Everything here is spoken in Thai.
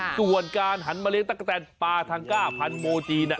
ส่วนการหันมาเลี้ยตะกะแตนปลาทังก้าพันโมจีน